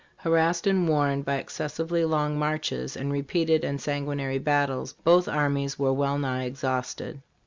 Harassed and worn by excessively long marches and repeated and sanguinary battles, both armies were well nigh exhausted.